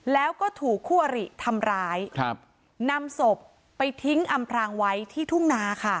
แล้วก็ถูกควรตำร้ายนำศพไปทิ้งอำรังไว้ที่ทุ่งนาค่ะ